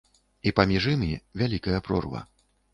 І паміж імі вялікая прорва.